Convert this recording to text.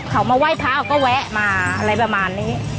เขามาไหว้พระเขาก็แวะมาอะไรประมาณนี้